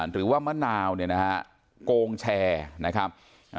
หรือว่ามะนาวเนี่ยนะฮะโกงแชร์นะครับ